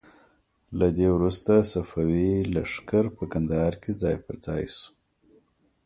له دې وروسته صفوي لښکر په کندهار کې ځای په ځای شو.